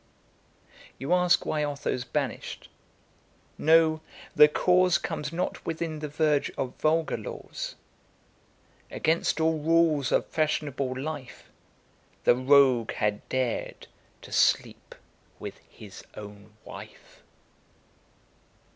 You ask why Otho's banish'd? Know, the cause Comes not within the verge of vulgar laws. Against all rules of fashionable life, The rogue had dared to sleep with his own wife.